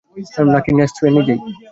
নাকি নেসক্যাফিয়ার নিজেই?